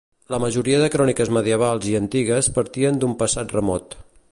La majoria de cròniques medievals i antigues partien d'un passat remot.